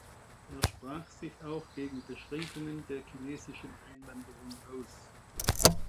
Er sprach sich auch gegen Beschränkungen der chinesischen Einwanderung aus.